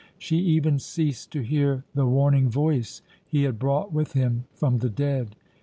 She even ceased to hear the warning voice he had brought with him from the dead.